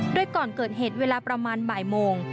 โดยก่อนเกิดเหตุเวลาประมาณบ่ายโมง